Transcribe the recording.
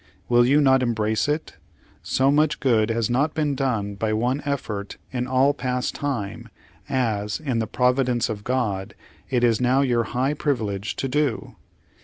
Will you not embrace it? So much good has not been done by one effort in all past time, as, in the Providence of God, it is now your high privilege to do.